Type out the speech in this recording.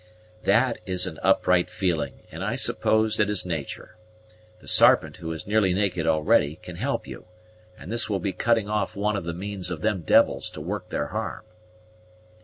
"That is an upright feeling, and I suppose it is natur'. The Sarpent, who is nearly naked already, can help you; and this will be cutting off one of the means of them devils to work their harm."